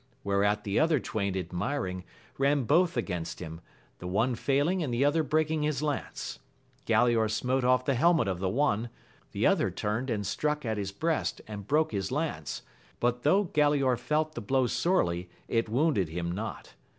Whereat the other twain admiring, ran both against him, the one failing and the other breaking his lance. Galaor smote off the helmet of the one ; the other turned and struck at his breast and broke his lance •, W\. \Xio\x^ Ci^ot felt tlva blow AMADIS OF GAUL. 79 sorely, it wounded him not.